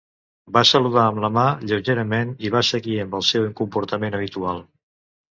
Va saludar amb la mà lleugerament i va seguir amb el seu comportament habitual.